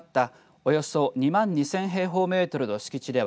およそ２万２０００平方メートルの敷地では